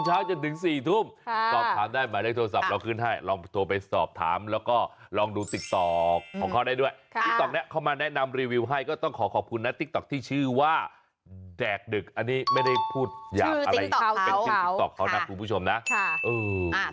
อันนี้ไม่ได้พูดอย่างอะไรชื่อติ๊งต่อเขาเป็นชื่อติ๊งต่อเขาน่ะคุณผู้ชมนะ